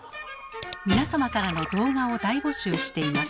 皆様からの動画を大募集しています。